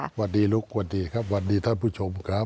สวัสดีลูกสวัสดีครับสวัสดีท่านผู้ชมครับ